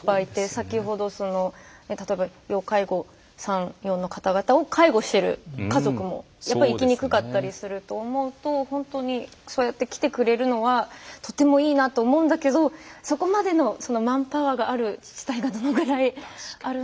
先ほど例えば要介護３４の方々を介護している家族もやっぱり行きにくかったりすると思うと本当にそうやって来てくれるのはとてもいいなと思うんだけどそこまでのマンパワーがある自治体がどのぐらいあるのか。